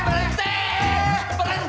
kan udah bilang